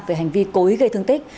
về hành vi cối gây thương tích